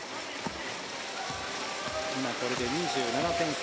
今、これで２７点差。